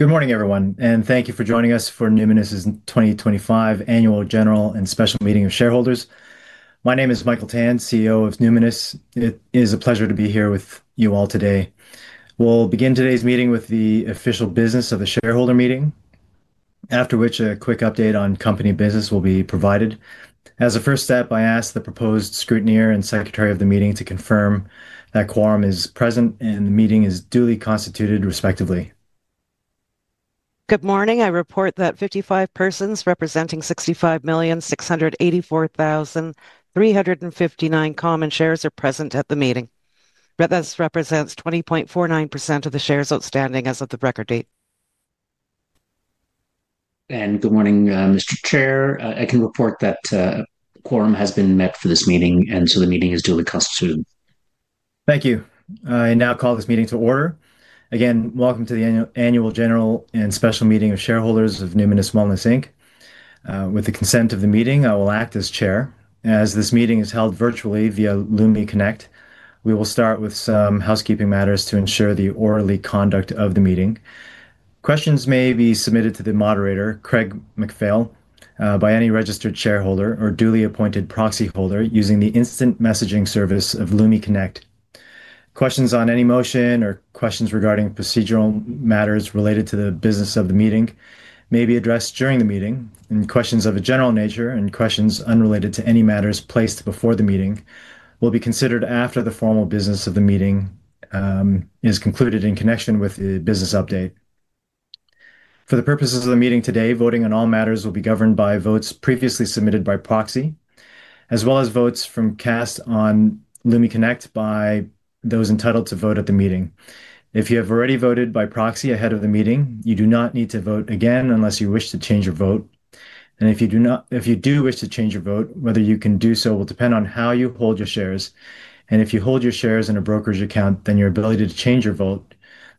Good morning, everyone, and thank you for joining us for Numinus's 2025 Annual General and Special Meeting of Shareholders. My name is Michael Tan, CEO of Numinus. It is a pleasure to be here with you all today. We'll begin today's meeting with the official business of the shareholder meeting, after which a quick update on company business will be provided. As a first step, I ask the proposed scrutineer and secretary of the meeting to confirm that quorum is present and the meeting is duly constituted, respectively. Good morning. I report that 55 persons representing 65,684,359 common shares are present at the meeting. That represents 20.49% of the shares outstanding as of the record date. Good morning, Mr. Chair. I can report that a quorum has been met for this meeting, and the meeting is duly constituted. Thank you. I now call this meeting to order. Again, welcome to The Annual General and Special Meeting of Shareholders of Numinus Wellness Inc. With the consent of the meeting, I will act as Chair. As this meeting is held virtually via Lumi Connect, we will start with some housekeeping matters to ensure the orderly conduct of the meeting. Questions may be submitted to the moderator, Craig MacPhail, by any registered shareholder or duly appointed proxy holder using the instant messaging service of Lumi Connect. Questions on any motion or questions regarding procedural matters related to the business of the meeting may be addressed during the meeting, and questions of a general nature and questions unrelated to any matters placed before the meeting will be considered after the formal business of the meeting is concluded in connection with the business update. For the purposes of the meeting today, voting on all matters will be governed by votes previously submitted by proxy, as well as votes from cast on Lumi Connect by those entitled to vote at the meeting. If you have already voted by proxy ahead of the meeting, you do not need to vote again unless you wish to change your vote. If you do wish to change your vote, whether you can do so will depend on how you hold your shares. If you hold your shares in a brokerage account, then your ability to change your vote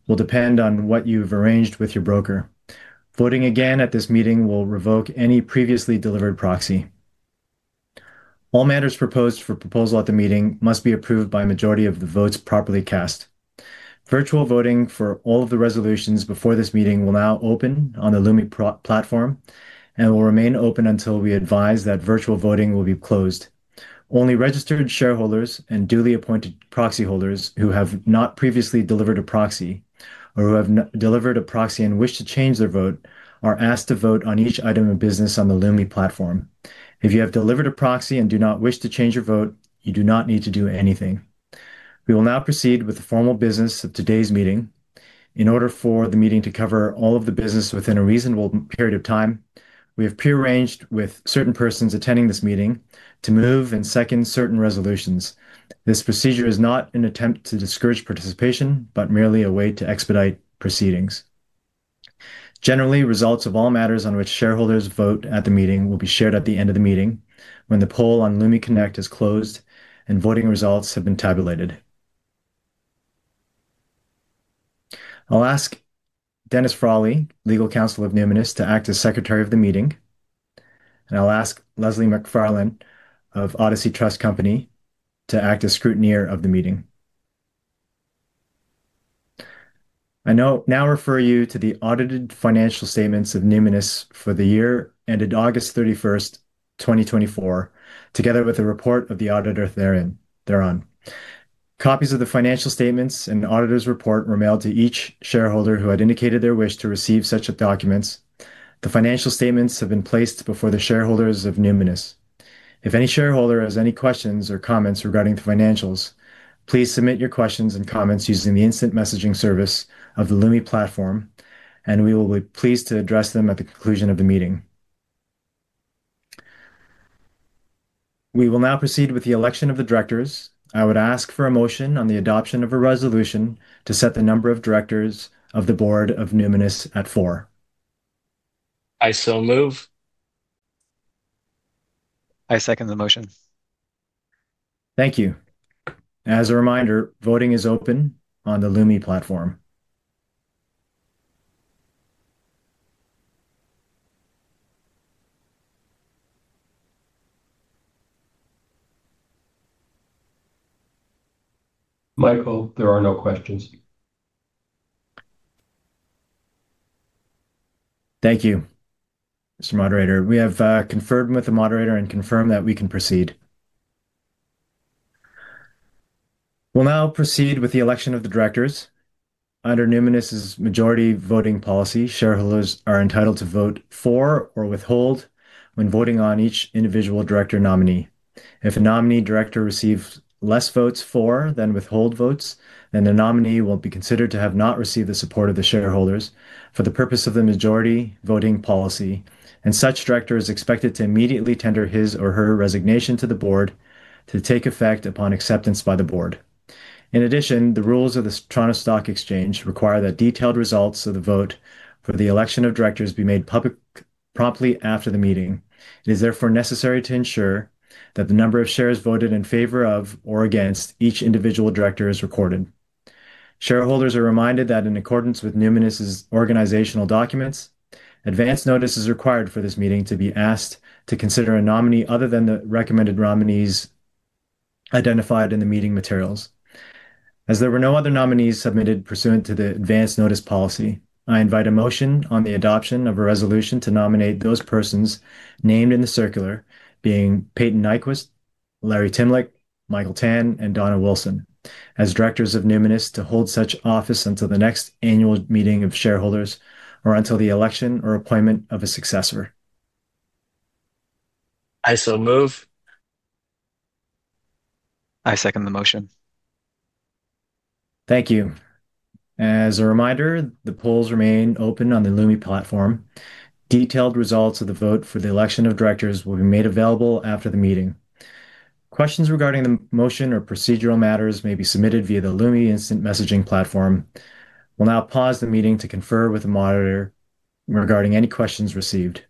will depend on what you've arranged with your broker. Voting again at this meeting will revoke any previously delivered proxy. All matters proposed for proposal at the meeting must be approved by a majority of the votes properly cast. Virtual voting for all of the resolutions before this meeting will now open on the Lumi platform and will remain open until we advise that virtual voting will be closed. Only registered shareholders and duly appointed proxy holders who have not previously delivered a proxy or who have delivered a proxy and wish to change their vote are asked to vote on each item of business on the Lumi platform. If you have delivered a proxy and do not wish to change your vote, you do not need to do anything. We will now proceed with the formal business of today's meeting. In order for the meeting to cover all of the business within a reasonable period of time, we have prearranged with certain persons attending this meeting to move and second certain resolutions. This procedure is not an attempt to discourage participation, but merely a way to expedite proceedings. Generally, results of all matters on which shareholders vote at the meeting will be shared at the end of the meeting when the poll on Lumi Connect is closed and voting results have been tabulated. I'll ask Dennis Frawley, legal counsel of Numinus, to act as secretary of the meeting, and I'll ask Leslie MacFarlane of Odyssey Trust Company to act as scrutineer of the meeting. I now refer you to the audited financial statements of Numinus for the year ended August 31st, 2024, together with a report of the auditor Theron. Copies of the financial statements and auditor's report were mailed to each shareholder who had indicated their wish to receive such documents. The financial statements have been placed before the shareholders of Numinus. If any shareholder has any questions or comments regarding the financials, please submit your questions and comments using the instant messaging service of the Lumi platform, and we will be pleased to address them at the conclusion of the meeting. We will now proceed with the election of the directors. I would ask for a motion on the adoption of a resolution to set the number of directors of the board of Numinus at four. I so move. I second the motion. Thank you. As a reminder, voting is open on the Lumi platform. Michael, there are no questions. Thank you. Mr. moderator, we have conferred with the moderator and confirmed that we can proceed. We'll now proceed with the election of the directors. Under Numinus' majority voting policy, shareholders are entitled to vote for or withhold when voting on each individual director nominee. If a nominee director receives less votes for than withhold votes, then the nominee will be considered to have not received the support of the shareholders for the purpose of the majority voting policy, and such director is expected to immediately tender his or her resignation to the board to take effect upon acceptance by the board. In addition, the rules of the Toronto Stock Exchange require that detailed results of the vote for the election of directors be made public promptly after the meeting. It is therefore necessary to ensure that the number of shares voted in favor of or against each individual director is recorded. Shareholders are reminded that in accordance with Numinus' organizational documents, advance notice is required for this meeting to be asked to consider a nominee other than the recommended nominees identified in the meeting materials. As there were no other nominees submitted pursuant to the advance notice policy, I invite a motion on the adoption of a resolution to nominate those persons named in the circular being Payton Nyquvest, Larry Timlick, Michael Tan, and Donna Wilson as directors of Numinus to hold such office until the next annual meeting of shareholders or until the election or appointment of a successor. I so move. I second the motion. Thank you. As a reminder, the polls remain open on the Lumi platform. Detailed results of the vote for the election of directors will be made available after the meeting. Questions regarding the motion or procedural matters may be submitted via the Lumi instant messaging platform. We'll now pause the meeting to confer with the moderator regarding any questions received.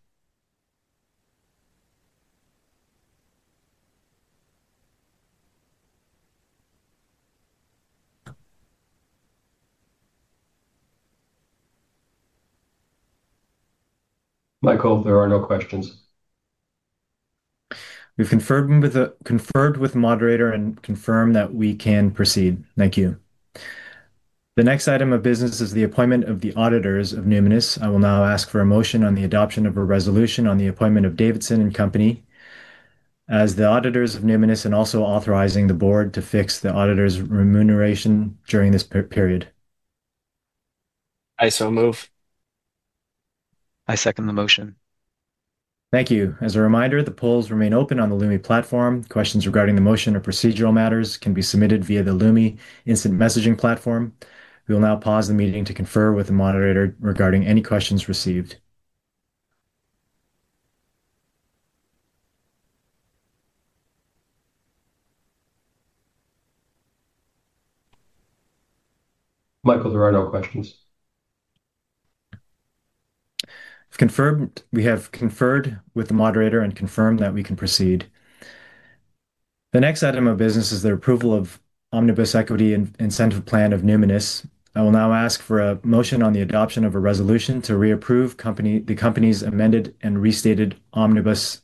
Michael, there are no questions. We've conferred with the moderator and confirm that we can proceed. Thank you. The next item of business is the appointment of the auditors of Numinus. I will now ask for a motion on the adoption of a resolution on the appointment of Davidson and Company as the auditors of Numinus and also authorizing the board to fix the auditor's remuneration during this period. I so move. I second the motion. Thank you. As a reminder, the polls remain open on the Lumi platform. Questions regarding the motion or procedural matters can be submitted via the Lumi instant messaging platform. We will now pause the meeting to confer with the moderator regarding any questions received. Michael, there are no questions. We have conferred with the moderator and confirmed that we can proceed. The next item of business is the approval of the Omnibus Equity Incentive Plan of Numinus. I will now ask for a motion on the adoption of a resolution to reapprove the company's amended and restated Omnibus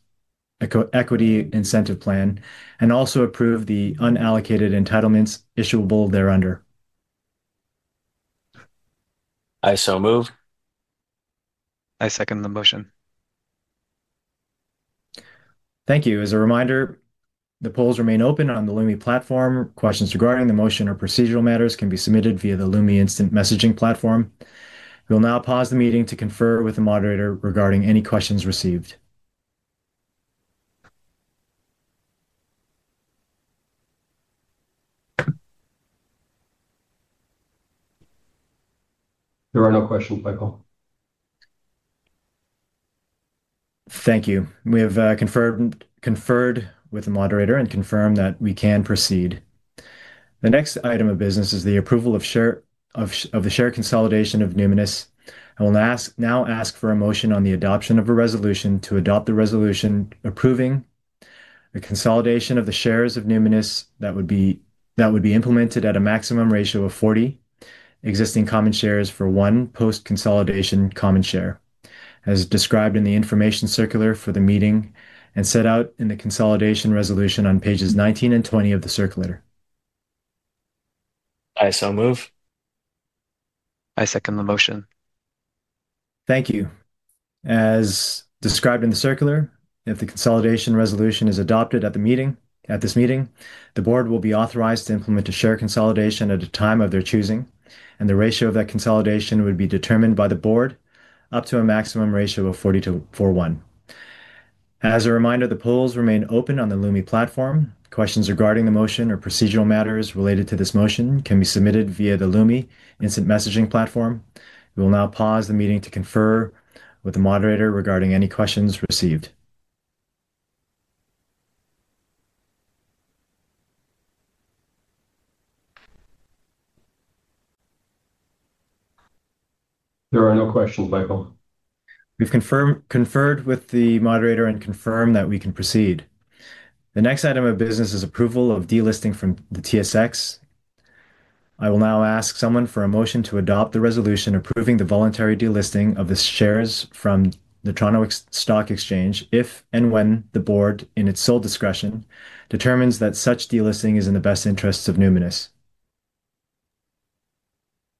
Equity Incentive Plan and also approve the unallocated entitlements issuable thereunder. I so move. I second the motion. Thank you. As a reminder, the polls remain open on the Lumi platform. Questions regarding the motion or procedural matters can be submitted via the Lumi instant messaging platform. We'll now pause the meeting to confer with the moderator regarding any questions received. There are no questions, Michael. Thank you. We have conferred with the moderator and confirmed that we can proceed. The next item of business is the approval of the share consolidation of Numinus. I will now ask for a motion on the adoption of a resolution to adopt the resolution approving the consolidation of the shares of Numinus that would be implemented at a maximum ratio of 40 existing common shares for 1 post-consolidation common share, as described in the information circular for the meeting and set out in the consolidation resolution on pages 19 and 20 of the circular. I so move. I second the motion. Thank you. As described in the circular, if the consolidation resolution is adopted at this meeting, the board will be authorized to implement a share consolidation at a time of their choosing, and the ratio of that consolidation would be determined by the board up to a maximum ratio of 40:1. As a reminder, the polls remain open on the Lumi platform. Questions regarding the motion or procedural matters related to this motion can be submitted via the Lumi instant messaging platform. We will now pause the meeting to confer with the moderator regarding any questions received. There are no questions, Michael. We've conferred with the moderator and confirmed that we can proceed. The next item of business is approval of delisting from the TSX. I will now ask someone for a motion to adopt the resolution approving the voluntary delisting of the shares from the Toronto Stock Exchange if and when the board, in its sole discretion, determines that such delisting is in the best interests of Numinus.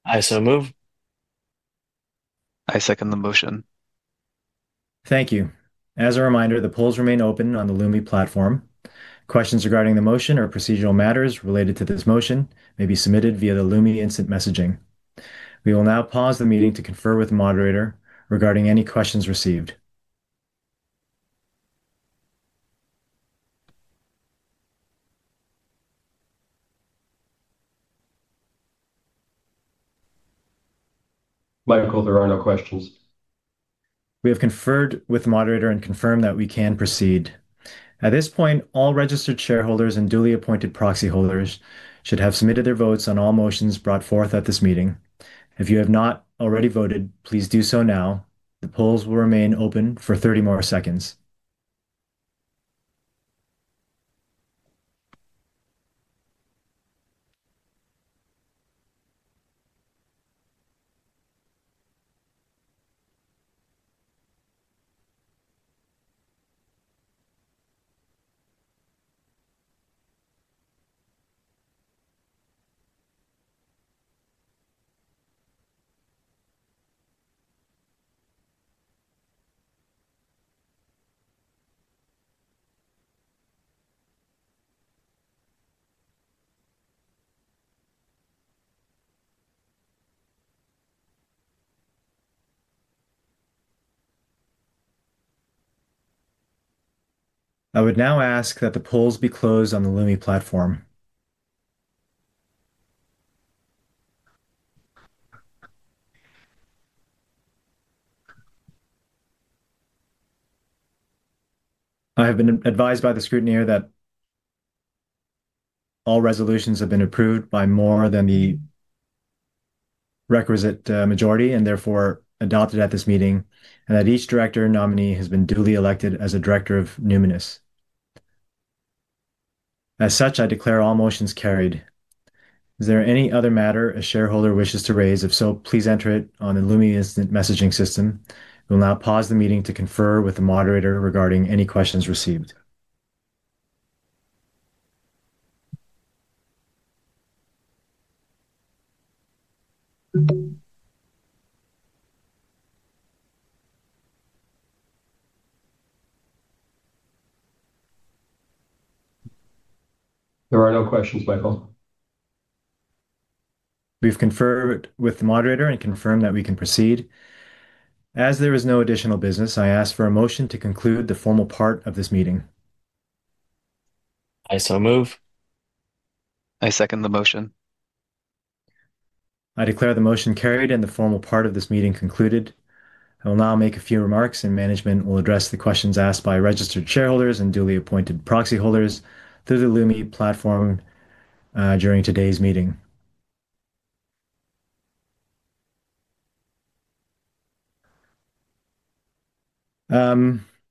I so move. I second the motion. Thank you. As a reminder, the polls remain open on the Lumi platform. Questions regarding the motion or procedural matters related to this motion may be submitted via the Lumi instant messaging. We will now pause the meeting to confer with the moderator regarding any questions received. Michael, there are no questions. We have conferred with the moderator and confirmed that we can proceed. At this point, all registered shareholders and duly appointed proxy holders should have submitted their votes on all motions brought forth at this meeting. If you have not already voted, please do so now. The polls will remain open for 30 more seconds. I would now ask that the polls be closed on the Lumi platform. I have been advised by the scrutineer that all resolutions have been approved by more than the requisite majority and therefore adopted at this meeting, and that each Director nominee has been duly elected as a Director of Numinus. As such, I declare all motions carried. Is there any other matter a shareholder wishes to raise? If so, please enter it on the Lumi instant messaging system. We'll now pause the meeting to confer with the moderator regarding any questions received. There are no questions, Michael. We've conferred with the moderator and confirmed that we can proceed. As there is no additional business, I ask for a motion to conclude the formal part of this meeting. I so move. I second the motion. I declare the motion carried and the formal part of this meeting concluded. I will now make a few remarks, and management will address the questions asked by registered shareholders and duly appointed proxy holders through the Lumi platform during today's meeting.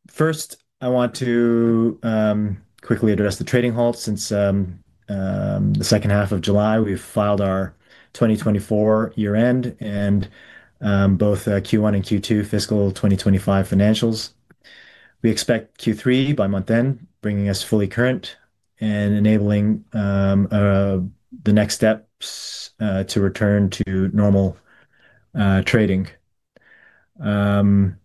First, I want to quickly address the trading halt. Since the second half of July, we've filed our 2024 year-end and both Q1 and Q2 fiscal 2025 financials. We expect Q3 by month end, bringing us fully current and enabling the next steps to return to normal trading. The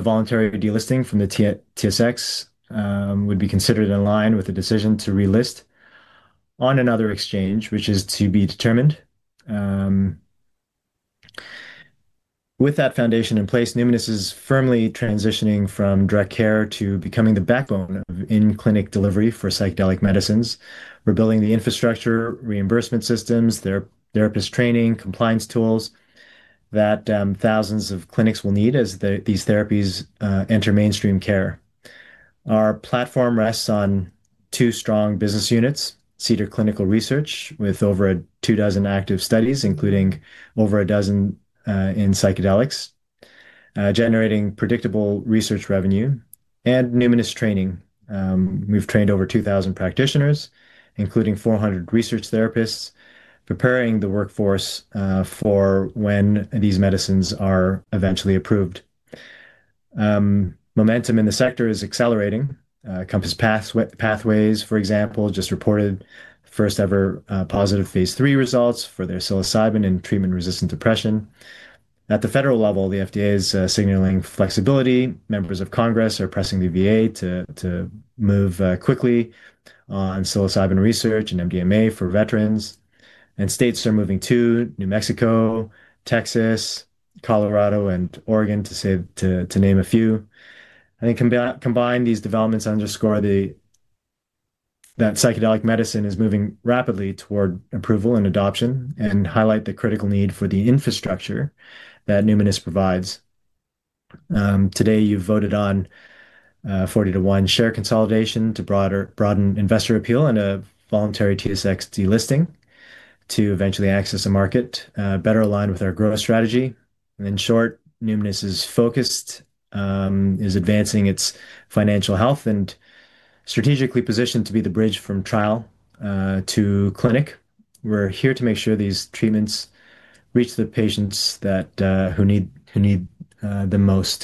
voluntary delisting from the TSX would be considered in line with the decision to relist on another exchange, which is to be determined. With that foundation in place, Numinus is firmly transitioning from direct care to becoming the backbone of in-clinic delivery for psychedelic medicines. We're building the infrastructure, reimbursement systems, therapist training, compliance tools that thousands of clinics will need as these therapies enter mainstream care. Our platform rests on two strong business units: Cedar Clinical Research, with over two dozen active studies, including over a dozen in psychedelics, generating predictable research revenue, and Numinus Training. We've trained over 2,000 practitioners, including 400 research therapists, preparing the workforce for when these medicines are eventually approved. Momentum in the sector is accelerating. Compass Pathways, for example, just reported first-ever positive phase three results for their psilocybin and treatment-resistant depression. At the federal level, the FDA is signaling flexibility. Members of Congress are pressing the VA to move quickly on psilocybin research and MDMA for veterans. States are moving too: New Mexico, Texas, Colorado, and Oregon, to name a few. I think combined these developments underscore that psychedelic medicine is moving rapidly toward approval and adoption and highlight the critical need for the infrastructure that Numinus provides. Today, you voted on 40:1 share consolidation to broaden investor appeal and a voluntary TSX delisting to eventually access the market, better aligned with our growth strategy. In short, Numinus's focus is advancing its financial health and strategically positioned to be the bridge from trial to clinic. We're here to make sure these treatments reach the patients who need them most.